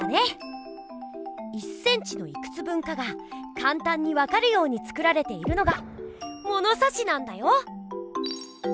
１ｃｍのいくつ分かがかんたんにわかるように作られているのがものさしなんだよ！